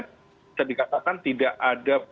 bisa dikatakan tidak ada